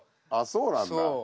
そうなんだ。